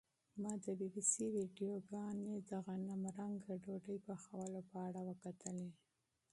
ما د بي بي سي ویډیوګانې د غنمرنګه ډوډۍ پخولو په اړه وکتلې.